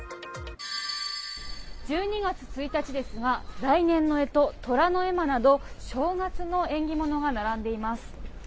１２月１日ですが来年の干支寅の絵馬など正月の縁起物が並んでいます